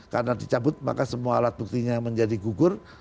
karena dicabut maka semua alat buktinya menjadi gugur